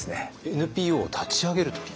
ＮＰＯを立ち上げる時ですか？